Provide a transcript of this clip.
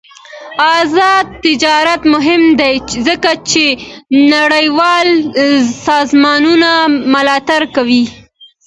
آزاد تجارت مهم دی ځکه چې نړیوال سازمانونه ملاتړ کوي.